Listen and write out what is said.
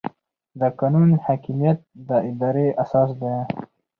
د قانون حاکمیت د ادارې اساس دی.